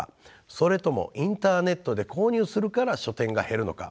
それともインターネットで購入するから書店が減るのか。